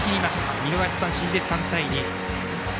見逃し三振で３対２。